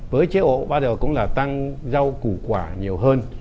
với chế ổ bao giờ cũng là tăng rau củ quả nhiều hơn